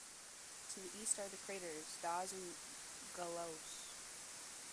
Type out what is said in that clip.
To the east are the craters Das and Galois.